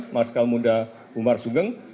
marskal muda umar sugeng